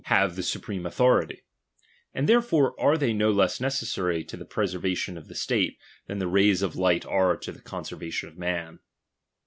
have the supreme authority : and therefore i they no less necessary to the preservation of the state, than the rays of the light are to the conser vation of man.